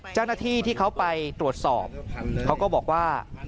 เจ้าหน้าที่ที่เขาไปตรวจสอบเขาก็บอกว่า